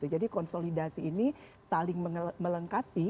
jadi konsolidasi ini saling melengkapi